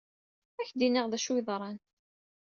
Ad ak-d-iniɣ d acu ay yeḍran.